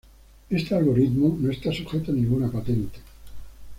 Este algoritmo no está sujeto a ninguna patente.